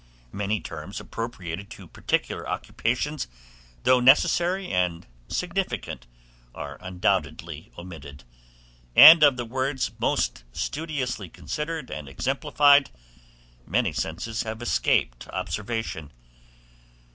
Many terms appropriated to particular occupations, though necessary and significant, are undoubtedly omitted, and of the words most studiously considered and exemplified, many senses have escaped observation.